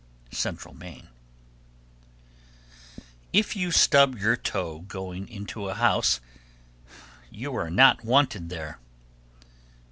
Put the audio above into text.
Central Maine. 1327. If you stub your toe going into a house, you are not wanted there.